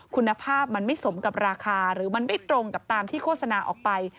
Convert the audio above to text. คุณภาพมันไม่สมกับราคาหรือมันไม่ตรงกับตามที่โฆษณาออกไป